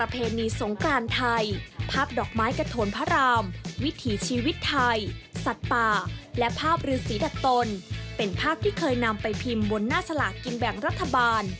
เป็นภาพที่เคยนำไปพิมพ์บนหน้าสลากินแบ่งรัฐบาล